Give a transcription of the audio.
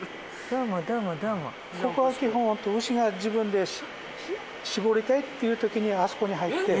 ここは基本牛が自分で搾りたいっていう時にあそこに入って。